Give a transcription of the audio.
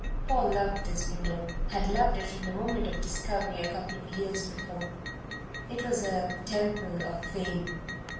Paul loved this window, had loved it from the moment of discovery, a couple of years before. It was a Temple of Fame.